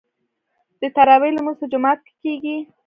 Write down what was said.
د تراويح لمونځ په جومات کې کیږي.